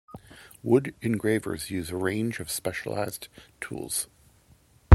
Wood engravers use a range of specialized tools.